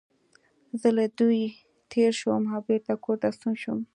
زه له دوی تېر شوم او بېرته کور ته ستون شوم.